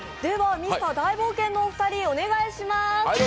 ミスター大冒険のお二人、お願いします。